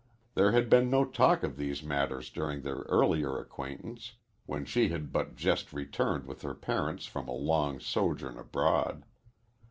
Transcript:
There had been no talk of these matters during their earlier acquaintance, when she had but just returned with her parents from a long sojourn abroad.